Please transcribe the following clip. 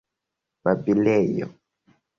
babilejo